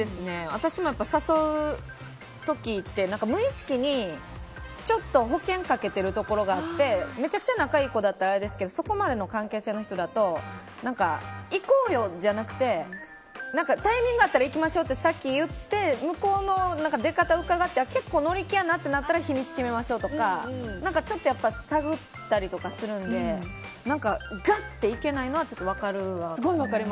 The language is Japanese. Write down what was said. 私も誘う時って無意識にちょっと保険かけてるところがあってめちゃくちゃな仲いい子だったらあれですけどそこまでの関係性の人だと行こうよじゃなくてタイミング合ったら行きましょってさっき言って向こうの出方をうかがって結構乗り気やなってなったら日にち決めましょうとかちょっと探ったりとかするのでガッていけないのは分かるは分かる。